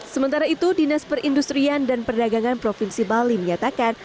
sementara itu dinas perindustrian dan perdagangan provinsi bali menyatakan